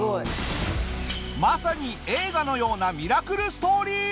まさに映画のようなミラクルストーリー！